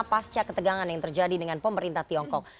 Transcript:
pasca ketegangan yang terjadi dengan pemerintah tiongkok